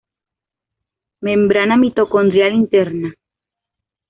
Membrana mitocondrial interna.